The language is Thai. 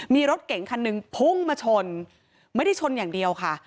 มีรถเก่งคันหนึ่งพุ่งมาชนไม่ได้ชนอย่างเดียวค่ะ